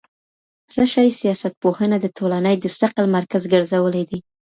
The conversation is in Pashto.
څه شي سياستپوهنه د ټولني د ثقل مرکز ګرځولی دی؟